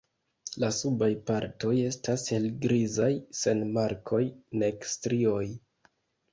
La subaj partoj estas helgrizaj sen markoj nek strioj.